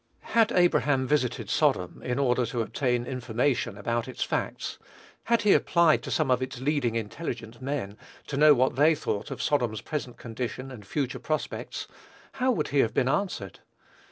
Had Abraham visited Sodom in order to obtain information about its facts, had he applied to some of its leading intelligent men, to know what they thought of Sodom's present condition and future prospects, how would he have been answered?